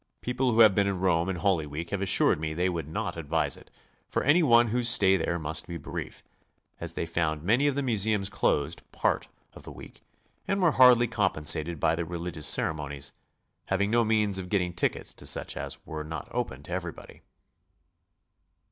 People wiho have GOING ABROAD? been in Rome in Holy Week have assured 'me they would not advise it for any one whose stay there must be brief, as they found many of the museums closed part oi the week, and were hardly compensiated by the religious cere monies, having no means of getting tickets to such as were not open to everybody.